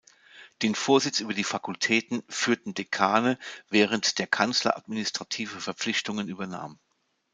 Den Vorsitz über die Fakultäten führten Dekane, während der Kanzler administrative Verpflichtungen übernahm.